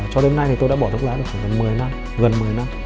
cho đến nay thì tôi đã bỏ thuốc lá được khoảng gần một mươi năm